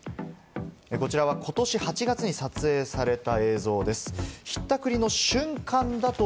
こちらは、ことし８月に撮影された映像です。